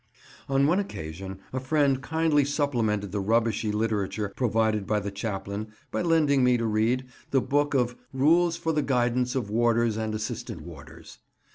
On one occasion a friend kindly supplemented the rubbishy literature provided by the chaplain by lending me to read the book of "Rules for the Guidance of Warders and Assistant Warders."